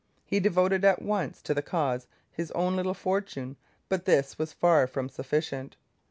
He devoted at once to the cause his own little fortune, but this was far from sufficient.